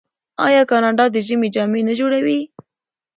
آیا کاناډا د ژمي جامې نه جوړوي؟